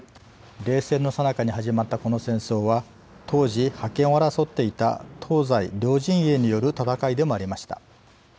冷戦のさなかに始まったこの戦争は当時覇権を争っていた東西両陣営による戦いでもありました。